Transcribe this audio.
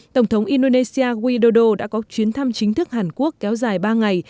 tổng thống indonesia widodo đã có chuyến thăm chính thức hàn quốc kéo dài ba ngày